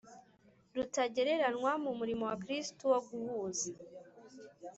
rutagereranywa mu murimo wa kristu wo guhuza